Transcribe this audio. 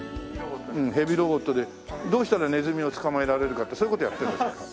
ヘビロボットでどうしたらネズミを捕まえられるかってそういう事やってるんですか？